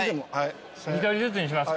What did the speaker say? １人ずつにしますか？